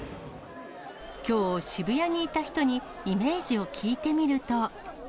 きょう、渋谷にいた人にイメージを聞いてみると。